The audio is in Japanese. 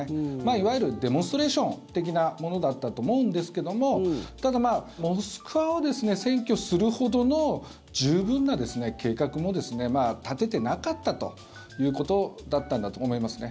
いわゆるデモンストレーション的なものだったと思うんですけどもただ、モスクワを占拠するほどの十分な計画も立ててなかったということだったんだと思いますね。